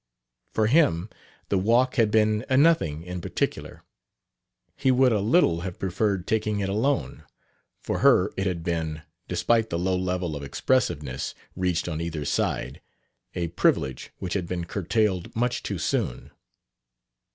For him the walk had been a nothing in particular he would a little have preferred taking it alone. For her it had been despite the low level of expressiveness reached on either side a privilege which had been curtailed much too soon.